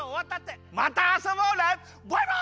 またあそぼうね！